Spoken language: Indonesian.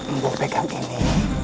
mbu pegang ini